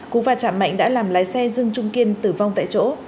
cú va chạm mạnh đã làm lái xe dương trung kiên tử vong tại chỗ